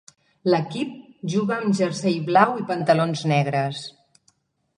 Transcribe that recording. L'equip juga amb jersei blau i pantalons negres.